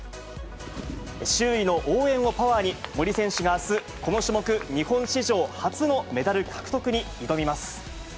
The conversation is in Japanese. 周囲の応援をパワーに、森選手があす、この種目、日本史上初のメダル獲得に挑みます。